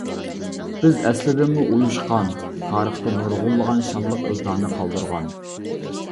بىز ئەسلىدىنمۇ ئۇيۇشقان، تارىختا نۇرغۇنلىغان شانلىق ئىزلارنى قالدۇرغان.